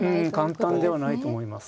簡単ではないと思います。